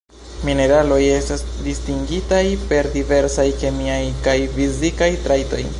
Mineraloj estas distingitaj per diversaj kemiaj kaj fizikaj trajtoj.